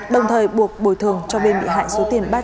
đồng thời buộc bồi thường cho bên bị hại số tiền